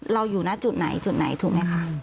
อยู่หน้าจุดไหนจุดไหนถูกไหมคะ